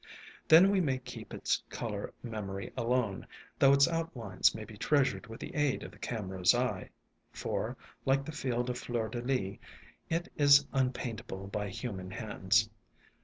Then we may keep its color memory alone, though its outlines may be treasured with the aid of the cam era's eye ; for, like the field of Fleur de Lys, it is unpaintable by human hands.